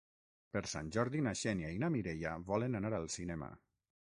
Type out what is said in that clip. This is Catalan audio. Per Sant Jordi na Xènia i na Mireia volen anar al cinema.